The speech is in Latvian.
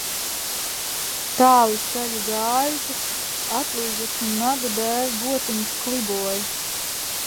Tāļu ceļu gājušas, atlūzušu nagu dēļ gotiņas kliboja.